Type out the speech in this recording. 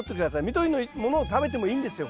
緑のものを食べてもいいんですよ